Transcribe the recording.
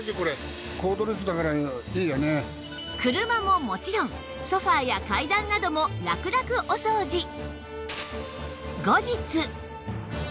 車ももちろんソファや階段などもラクラクお掃除